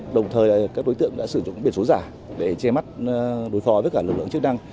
đồng thời các đối tượng đã sử dụng biển số giả để che mắt đối phó với cả lực lượng chức năng